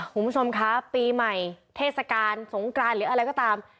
คุณผู้ชมคะปีใหม่เทศกาลสงกรานหรืออะไรก็ตาม